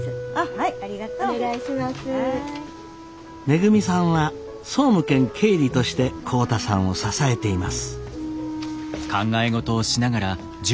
めぐみさんは総務兼経理として浩太さんを支えています。